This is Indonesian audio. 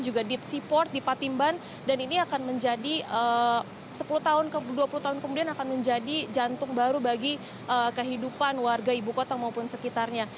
juga deep seport di patimban dan ini akan menjadi sepuluh tahun ke dua puluh tahun kemudian akan menjadi jantung baru bagi kehidupan warga ibu kota maupun sekitarnya